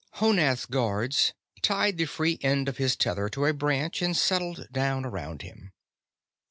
Honath's guards tied the free end of his tether to a branch and settled down around him.